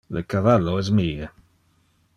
Le cavallo es mie.